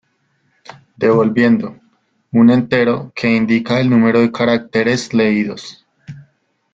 Devolviendo: un entero, que índica el número de caracteres leídos.